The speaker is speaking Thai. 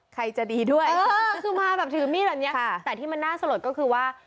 ใครจะดีด้วยก็คือมาแบบถือมีดแบบนี้แต่ที่มันน่าสลดก็คือว่า